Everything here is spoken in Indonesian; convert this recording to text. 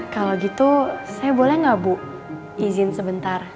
kalau gitu saya boleh nggak bu izin sebentar